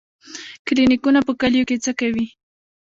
کلینیکونه په کلیو کې څه کوي؟